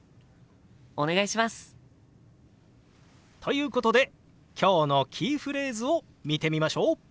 お願いします！ということで今日のキーフレーズを見てみましょう。